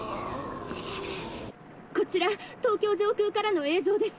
こちら東京上空からの映像です。